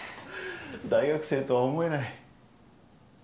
大学生とは思えない。